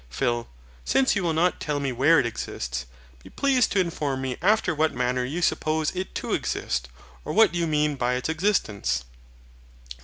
PHIL. Since you will not tell me where it exists, be pleased to inform me after what manner you suppose it to exist, or what you mean by its EXISTENCE?